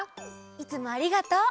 いつもありがとう。